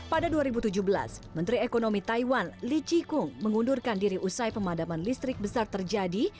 pada dua ribu tujuh belas menteri ekonomi taiwan lee chi kung mengundurkan diri usai pemadaman listrik besar terjadi